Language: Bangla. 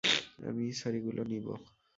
আমি ছড়িগুলো নিবো।